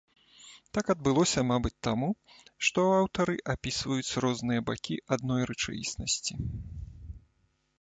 Так адбылося, мабыць, таму, што аўтары апісваюць розныя бакі адной рэчаіснасці.